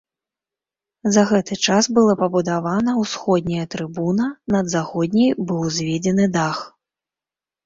За гэты час была пабудавана ўсходняя трыбуна, над заходняй быў узведзены дах.